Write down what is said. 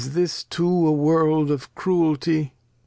Is this too a World of Cruelty